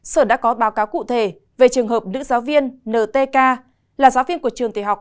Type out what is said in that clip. sở đã có báo cáo cụ thể về trường hợp nữ giáo viên n t k là giáo viên của trường tế học